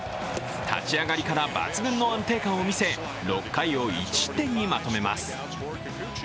立ち上がりから抜群の安定感を見せ６回を１失点にまとめます。